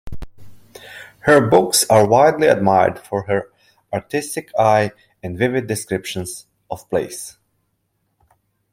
Her books are widely admired for her artistic eye and vivid descriptions of place.